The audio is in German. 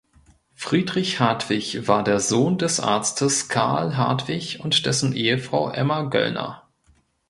Friedrich Hartwig war der Sohn des Arztes Carl Hartwig und dessen Ehefrau Emma Göllner.